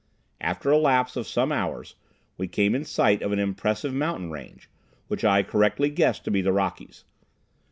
After a lapse of some hours we came in sight of an impressive mountain range, which I correctly guessed to be the Rockies.